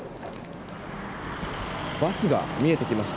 バスが見えてきました。